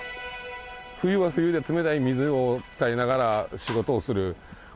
冬は冬で冷たい水を使いながら仕事をする。